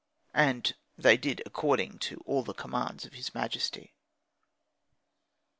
And they did according to all the commands of his majesty.